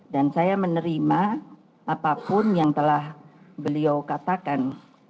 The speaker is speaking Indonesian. dan saya menerima apapun yang telah beliau katakan